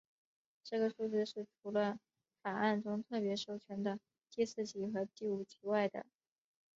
这个数字是除了法案中特别授权的第四级和第五级外的。